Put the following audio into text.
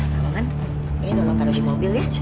maman ini tolong taruh di mobil ya